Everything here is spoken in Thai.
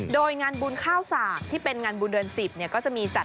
โดยงานบุญข้าวสากที่เป็นงานบุลรรณสิบเนี่ย